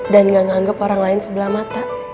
dan gak nganggep orang lain sebelah mata